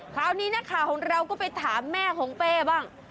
คราวนี้นักข่าวของเราก็ไปถามแม่ของเป้บ้าง